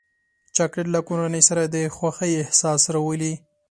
چاکلېټ له کورنۍ سره د خوښۍ احساس راولي.